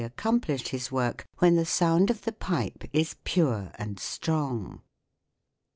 SOUND IN MUSIC accomplished his work when the sound of the pipe is pure and strong.